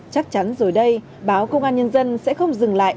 chắc chắn rồi đây báo công an nhân dân sẽ không dừng lại